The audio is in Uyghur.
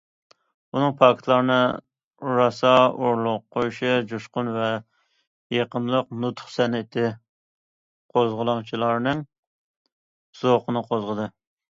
ئۇنىڭ پاكىتلارنى راسا ئورۇنلۇق قويۇشى، جۇشقۇن ۋە يېقىملىق نۇتۇق سەنئىتى قوزغىلاڭچىلارنىڭ زوقىنى قوزغىدى.